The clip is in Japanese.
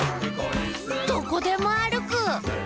「どこでもあるく！」